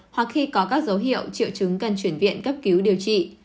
hoặc khi có các dấu hiệu triệu chứng cần chuyển viện cấp cứu điều trị